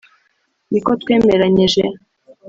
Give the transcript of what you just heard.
niko twemeranyije